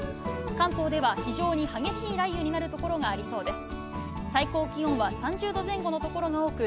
関東では非常に激しい雷雨になる所がありそうです。